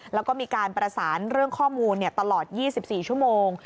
แล้วก็มีการประสานเรื่องข้อมูลตลอด๒๔ชั่วโมง